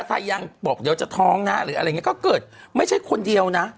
ถ้ายังบอกเดี๋ยวจะท้องนะหรืออะไรอย่างนี้ก็เกิดไม่ใช่คนเดียวนะ